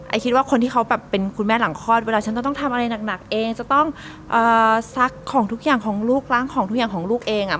คิดว่าคนที่เขาแบบเป็นคุณแม่หลังคลอดเวลาฉันต้องทำอะไรหนักเองจะต้องซักของทุกอย่างของลูกล้างของทุกอย่างของลูกเอง